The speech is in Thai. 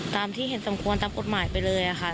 ตามที่เห็นสมควรตามกฎหมายไปเลยค่ะ